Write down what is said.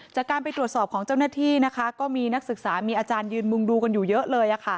จากการไปตรวจสอบของเจ้าหน้าที่นะคะก็มีนักศึกษามีอาจารยืนมุงดูกันอยู่เยอะเลย